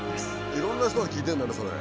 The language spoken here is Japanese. いろんな人が聞いてるんだねそれ。